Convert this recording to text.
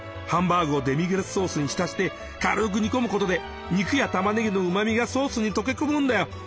ハンバーグをデミグラスソースにひたして軽く煮込むことで肉やたまねぎのうまみがソースに溶け込むんだよ。